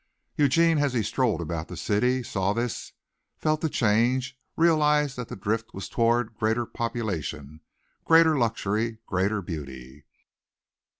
Eugene, as he strolled about the city, saw this, felt the change, realized that the drift was toward greater population, greater luxury, greater beauty.